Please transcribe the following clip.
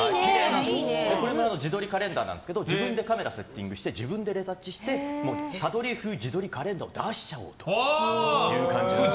これも自撮りカレンダーなんですけど自分でカメラをセッティングして自分でレタッチして他撮り風自撮りカレンダーを出しちゃうという感じで。